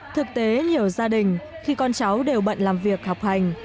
thực tế nhiều gia đình khi con cháu đều bận làm việc học hành